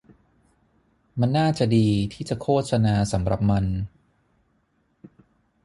มันน่าจะดีที่จะโฆษณาสำหรับมัน